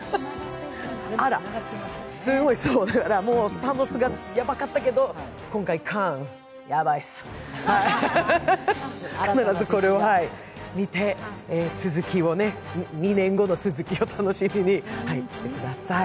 サノスがやばかったけど、今回、カーン、やばいです、必ずこれを見て２年後の続きを楽しみにしてください。